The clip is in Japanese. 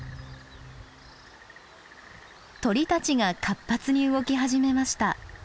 鳥たちが活発に動き始めました。